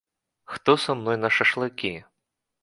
Хто са мной на шашлыкі?